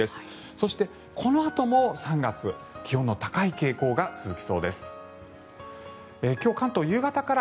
そして、このあとも３月、気温の高い傾向が「ワイド！